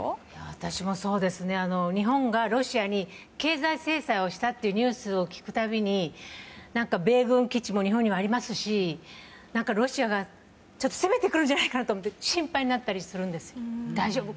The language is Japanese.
私も、日本がロシアに経済制裁をしたというニュースを聞く度に米軍基地も日本にはありますしロシアが攻めてくるんじゃないかと思って心配になったりするんです。